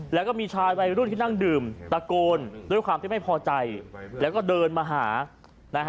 แล้วก็มีชายวัยรุ่นที่นั่งดื่มตะโกนด้วยความที่ไม่พอใจแล้วก็เดินมาหานะฮะ